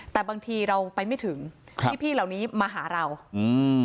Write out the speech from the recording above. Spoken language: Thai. แต่บางทีเราไปไม่ถึงครับพี่พี่เหล่านี้มาหาเราอืม